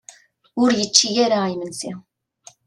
Ur yečči ara imensi.